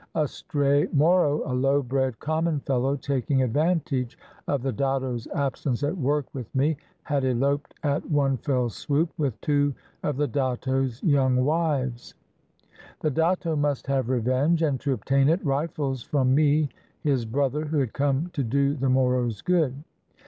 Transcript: A stray Moro, a low bred, common fellow, taking advantage of the datto's absence at work with me, had eloped at one fell swoop with two of the datto's yoimg wives. The datto must have revenge, and, to obtain it, rifles from me, his brother, who had come to do the Moros good.